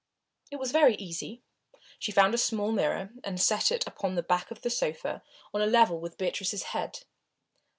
It was very easy. She found a small mirror, and set it up upon the back of the sofa, on a level with Beatrice's head.